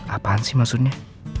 apaan sih maksudnya